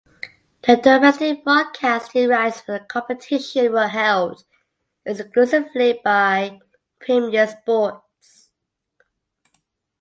The domestic broadcasting rights for the competition were held exclusively by Premier Sports.